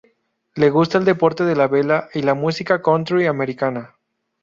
Le gusta el deporte de la vela y la música country americana.